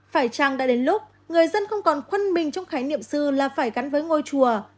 phải chăng đã đến lúc người dân không còn khuân mình trong khái niệm sư là phải gắn với ngôi chùa